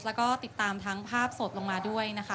แล้วก็ติดตามทั้งภาพสดลงมาด้วยนะคะ